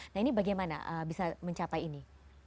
nah ini bagaimana bisa mencapai ini